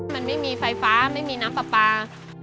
มันไม่มีไฟฟ้าไม่มีน้ำปลาปลา